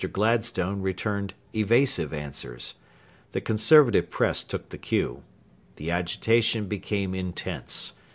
Gladstone returned evasive answers. The Conservative Press took the cue. The agitation became intense.